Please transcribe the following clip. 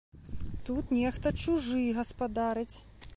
Тут нехта чужы гаспадарыць!